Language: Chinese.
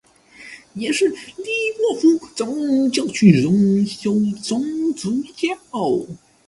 也是利沃夫总教区荣休总主教。